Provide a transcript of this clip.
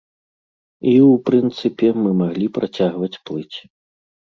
І, у прынцыпе, мы маглі працягваць плыць.